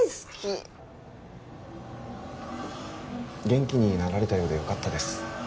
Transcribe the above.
元気になられたようでよかったです